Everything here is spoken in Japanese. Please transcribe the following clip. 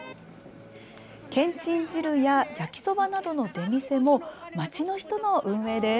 けんちん汁や焼きそばなどの出店も、町の人の運営です。